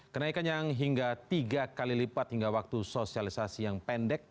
kenaikan yang hingga tiga kali lipat hingga waktu sosialisasi yang pendek